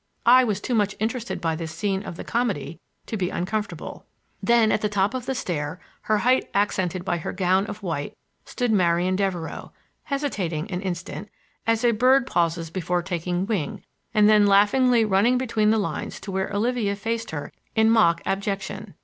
I was too much interested by this scene of the comedy to be uncomfortable. Then, at the top of the stair, her height accented by her gown of white, stood Marian Devereux, hesitating an instant, as a bird pauses before taking wing, and then laughingly running between the lines to where Olivia faced her in mock abjection.